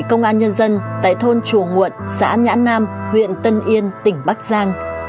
công an nhân dân tại thôn chùa nguộn xã nhãn nam huyện tân yên tỉnh bắc giang